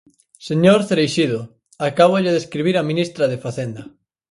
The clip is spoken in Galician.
Señor Cereixido, acábolle de escribir á ministra de Facenda.